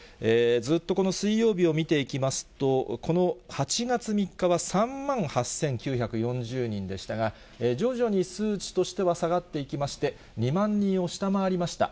ずっとこの水曜日を見ていきますと、この８月３日は３万８９４０人でしたが、徐々に数値としては下がっていきまして、２万人を下回りました。